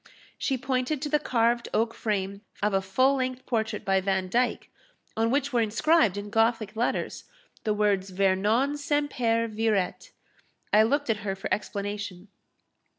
She pointed to the carved oak frame of a full length portrait by Vandyke, on which were inscribed, in Gothic letters, the words Vernon semper viret. I looked at her for explanation.